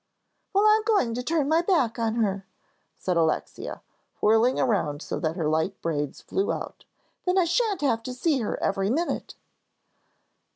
"Well, I'm going to turn my back on her," said Alexia, whirling around so that her light braids flew out, "then I shan't have to see her every minute."